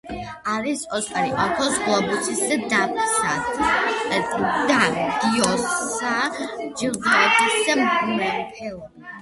არის ოსკარის, ოქროს გლობუსის, ბაფტას და გოიას ჯილდოების მფლობელი.